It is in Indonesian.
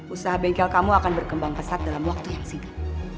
usaha bengkel kamu akan berkembang pesat dalam waktu yang singkat